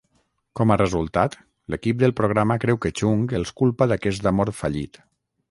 Com a resultat, l'equip del programa creu que Chung els culpa d'aquest amor fallit.